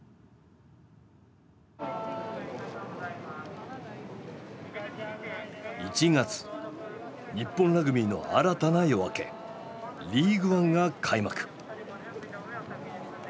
その辺は１月日本ラグビーの新たな夜明け「リーグワン」が開幕。